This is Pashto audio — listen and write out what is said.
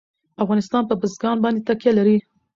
افغانستان په بزګان باندې تکیه لري.